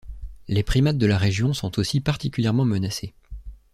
Les primates de la région sont aussi particulièrement menacés.